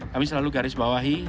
kami selalu garis bawahi